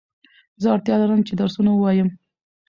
زه اړتیا لرم چي درسونه ووایم